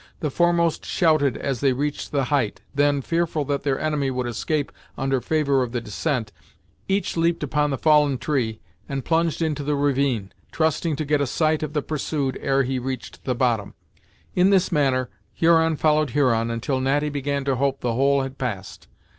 The foremost shouted as they reached the height; then, fearful that their enemy would escape under favor of the descent, each leaped upon the fallen tree and plunged into the ravine, trusting to get a sight of the pursued ere he reached the bottom. In this manner, Huron followed Huron until Natty began to hope the whole had passed.